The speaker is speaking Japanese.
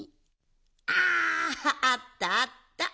ああったあった。